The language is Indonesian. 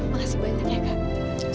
makasih banyak ya kak